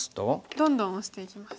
どんどんオシていきます。